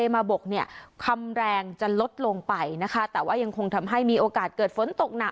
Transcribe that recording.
มาบกเนี่ยคำแรงจะลดลงไปนะคะแต่ว่ายังคงทำให้มีโอกาสเกิดฝนตกหนัก